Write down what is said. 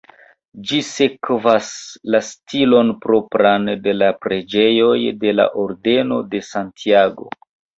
Ĝi sekvas la stilon propran de la preĝejoj de la Ordeno de Santiago.